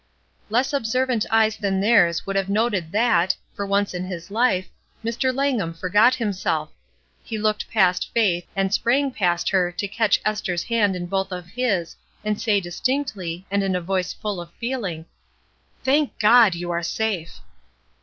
Less observant eyes than theirs would have noted that, for once in his life, Mr. Langham for got himself. He looked past Faith, and sprang past her to catch Esther's hand in both of his, and say distinctly, and in a voice full of feeling: " Thank God you are safe."